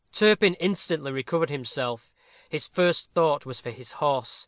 Turpin instantly recovered himself. His first thought was for his horse.